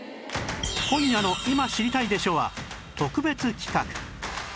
今夜の『今知りたいでしょ！』は特別企画